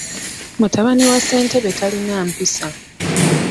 Mutabani wa ssentebe talina mpisa.